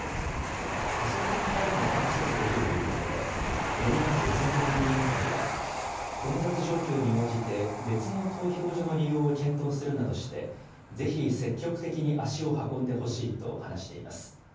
パソコンからもアクセスできるということで、練馬区選挙管理委員会は、混雑状況に応じて別の投票所の利用を検討するなどして、ぜひ積極的に足を運んでほしいと話しています。